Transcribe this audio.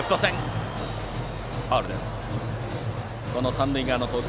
三塁側の投球